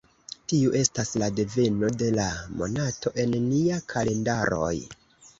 Tiu estas la deveno de la monato en nia kalendaroj.